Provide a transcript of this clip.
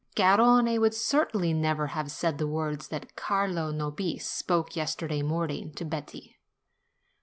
Garrone would certainly never have said the words which Carlo Nobis spoke yesterday morning to Betti.